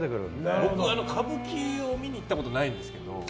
僕、歌舞伎を見に行ったことないですけど。